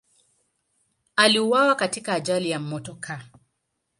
Aliuawa katika ajali ya motokaa.